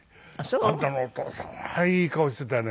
「あんたのお父さんはいい顔してたよね」